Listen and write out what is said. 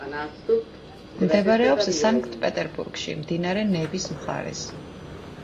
მდებარეობს სანქტ-პეტერბურგში, მდინარე ნევის მხარეს.